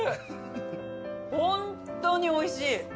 本当においしい。